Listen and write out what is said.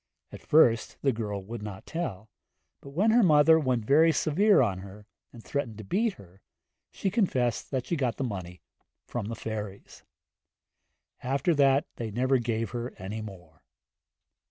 At first the girl would not tell, but when her mother 'went very severe on her,' and threatened to beat her, she confessed she got the money from the fairies. After that they never gave her any more.